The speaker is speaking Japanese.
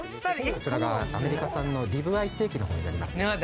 こちらがアメリカ産のリブアイステーキのほうになります。